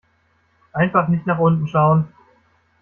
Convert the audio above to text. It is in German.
Einfach nicht nach unten schauen.